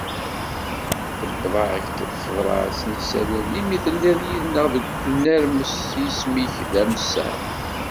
Tewweḍ-ak-d tebrat n yisallen imi telliḍ yid-neɣ deg unermes s yisem-ik d amsaɣ.